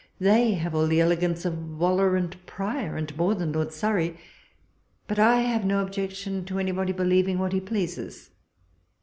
They have all the elegance of Waller and Prior, and more than Lord Surrey — but I have no objection to anybody believing what he pleases.